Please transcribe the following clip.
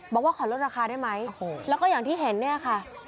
บอกว่าขอลดราคาได้ไหมแล้วก็อย่างที่เห็นเนี่ยค่ะ